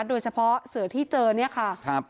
โดยเฉพาะเสือที่เจอเนี่ยค่ะ